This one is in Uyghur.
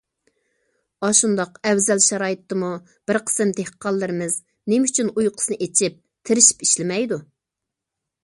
ئاشۇنداق ئەۋزەل شارائىتتىمۇ بىر قىسىم دېھقانلىرىمىز نېمە ئۈچۈن ئۇيقۇسىنى ئېچىپ، تىرىشىپ ئىشلىمەيدۇ.